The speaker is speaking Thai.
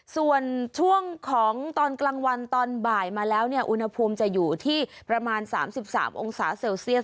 ส่วนช่วงของตอนกลางวันตอนบ่ายมาแล้วเนี่ยอุณหภูมิจะอยู่ที่ประมาณ๓๓องศาเซลเซียส